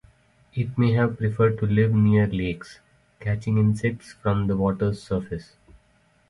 It may have preferred to live near lakes, catching insects from the water's surface.